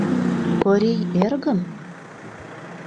Корий эргым?..